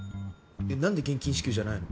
なんで現金支給じゃないの！？